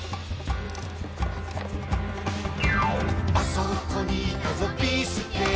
「あそこにいたぞビーすけ」